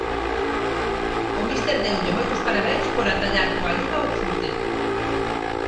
O míster deulle moitos parabéns por atallar coa luva o chute